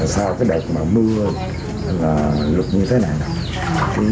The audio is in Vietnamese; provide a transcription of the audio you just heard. sau đợt mưa lục như thế này